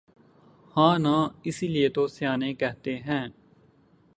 ہاں نا اسی لئے تو سیانے کہتے ہیں